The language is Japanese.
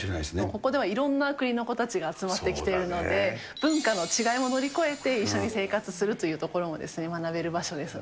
ここではいろんな国の子たちが集まってきているので、文化の違いも乗り越えて、一緒に生活するというところもですね、学べる場所ですよね。